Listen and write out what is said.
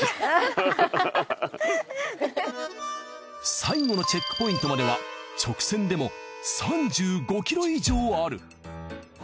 最後のチェックポイントまでは直線でも３５ｋｍ以上ある。